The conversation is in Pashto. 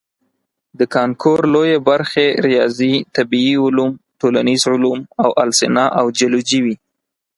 د کانکور لویې برخې ریاضي، طبیعي علوم، ټولنیز علوم او السنه او جیولوجي وي.